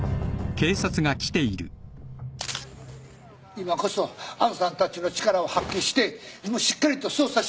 今こそあんさんたちの力を発揮してしっかりと捜査しておくんなはれな。